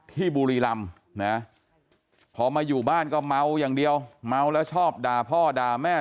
บุรีรำนะพอมาอยู่บ้านก็เมาอย่างเดียวเมาแล้วชอบด่าพ่อด่าแม่